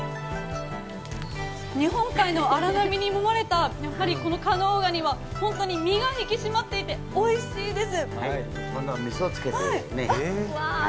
日本海の荒波にもまれた加能ガニは本当に身が引き締まっていておいしいです。